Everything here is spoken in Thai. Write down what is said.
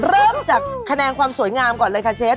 เริ่มจากคะแนนความสวยงามก่อนเลยค่ะเชฟ